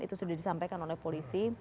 itu sudah disampaikan oleh polisi